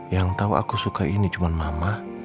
yang tau aku suka ini cuman mama